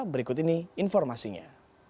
berikut ini informasinya